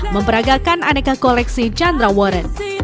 memperagakan aneka koleksi chandra warren